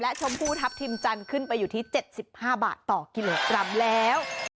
ชมพูทัพทิมจันทร์ขึ้นไปอยู่ที่๗๕บาทต่อกิโลกรัมแล้ว